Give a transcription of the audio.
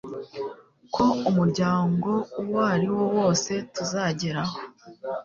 ko umuryango uwo ari wo wose tuzageraho